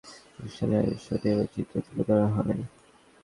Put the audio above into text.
জিডিতে যমুনা গ্রুপের বিভিন্ন প্রতিষ্ঠানের রাজস্ব অনিয়মের চিত্র তুলে ধরা হয়।